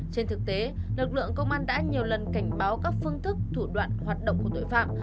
trên thực tế lực lượng công an đã nhiều lần cảnh báo các phương thức thủ đoạn hoạt động của tội phạm